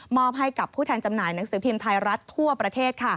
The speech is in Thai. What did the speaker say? ให้กับผู้แทนจำหน่ายหนังสือพิมพ์ไทยรัฐทั่วประเทศ